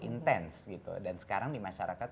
intens gitu dan sekarang di masyarakat